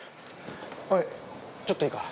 おいちょっといいか。